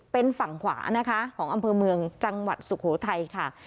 เป็นฝั่งขวานะคะของอำเภอเมืองจังหวัดสุโขทัยค่ะ